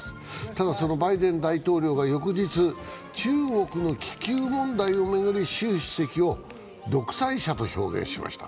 ただ、そのバイデン大統領が翌日、中国の気球問題を巡り、習主席を独裁者と表現しました。